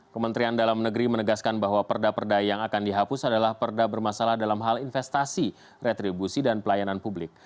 kementerian dalam negeri menegaskan bahwa perda perda yang akan dihapus adalah perda bermasalah dalam hal investasi retribusi dan pelayanan publik